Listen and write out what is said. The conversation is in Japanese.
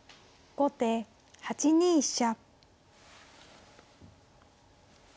後手８二飛車。